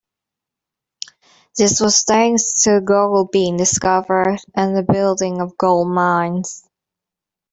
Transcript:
This was thanks to gold being discovered and the building of gold mines.